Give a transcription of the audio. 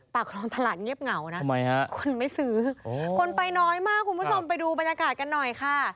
คลองตลาดเงียบเหงานะทำไมฮะคนไม่ซื้อคนไปน้อยมากคุณผู้ชมไปดูบรรยากาศกันหน่อยค่ะ